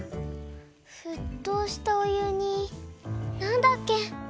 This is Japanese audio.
ふっとうしたおゆになんだっけ？